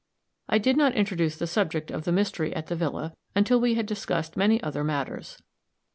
I did not introduce the subject of the mystery at the villa until we had discussed many other matters.